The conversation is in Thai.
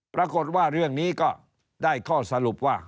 ปรากฏว่าเรื่องนี้ก็ได้ข้อสรุปว่า